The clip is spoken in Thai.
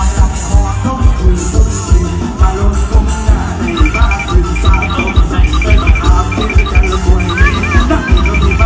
สมัครสงสิตก็หนูเอาเบาสวนก็เสีย